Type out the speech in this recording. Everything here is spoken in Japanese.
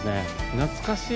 懐かしい。